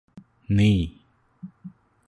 നീ